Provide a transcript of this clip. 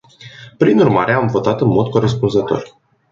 Prin urmare, am votat în mod corespunzător.